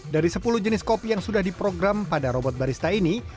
dari sepuluh jenis kopi yang sudah diprogram pada robot barista ini